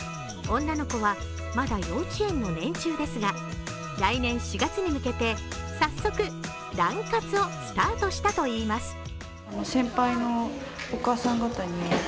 女の子はまだ幼稚園の年中ですが、来年４月に向けて早速、ラン活をスタートしたといいます。